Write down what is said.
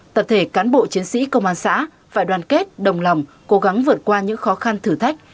tập thể cán bộ chiến sĩ công an xã phải đoàn kết đồng lòng cố gắng vượt qua những khó khăn thử thách